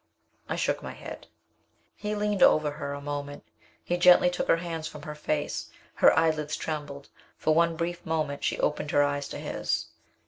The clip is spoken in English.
I shook my head. He leaned over her a moment. He gently took her hands from her face. Her eyelids trembled. For one brief moment she opened her eyes to his.